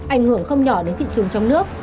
ảnh hưởng không nhỏ đến thị trường trong nước